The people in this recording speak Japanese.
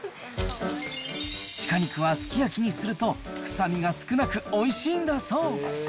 シカ肉はすき焼きにすると臭みが少なくおいしいんだそう。